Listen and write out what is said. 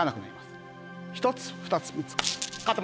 １つ２つ３つ。